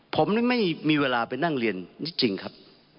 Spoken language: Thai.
ผมนี่ไม่มีเวลาไปนั่งเรียนจริงครับ